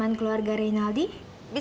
aku orang akan melewati dia hiho